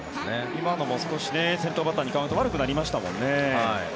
今の先頭バッターにカウントが悪くなりましたもんね。